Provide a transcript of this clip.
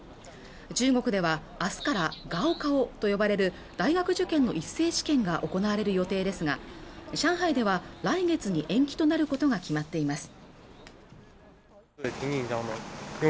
中国ではあすからが高考と呼ばれる大学受験の一斉試験が行われる予定ですが上海では来月に延期となることが決まっています